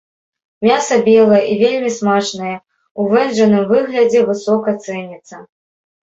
Мяса белае і вельмі смачнае, у вэнджаным выглядзе высока цэніцца.